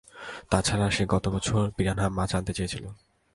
তাছাড়া সে গতবছর পিরানহা মাছ আনতে চেয়েছিল।